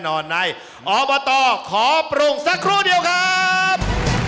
ต่อมาต่อขอปรุงสักครู่เดียวครับ